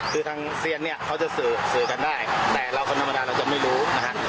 คือทางเซียนเนี่ยเขาจะสื่อกันได้แต่เราคนธรรมดาเราจะไม่รู้นะฮะ